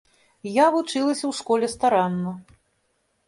Я вучылася ў школе старанна.